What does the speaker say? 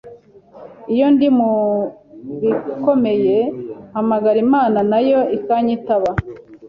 Iyo ndi mubikomeye mpamagara Imana nayo ikanyitaba.